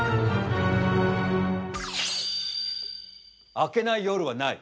明けない夜はない。